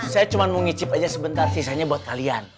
saya cuma mau ngicip aja sebentar sisanya buat kalian